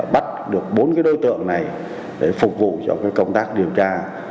bắt được bốn đối tượng này để phục vụ cho công tác điều tra